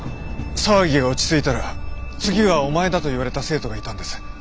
騒ぎが落ち着いたら次はお前だと言われた生徒がいたんです。